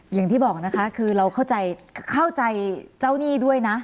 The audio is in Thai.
อย่างที่บอกนะคะคือเราเข้าใจเข้าใจเจ้าหนี้ด้วยนะ